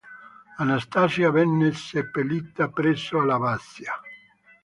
Anastasia venne seppellita presso l'abbazia.